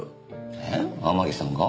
えっ天樹さんが？